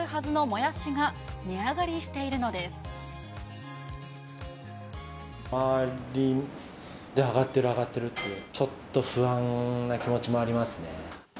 周りで上がってる上がってるって、ちょっと不安な気持ちもありますね。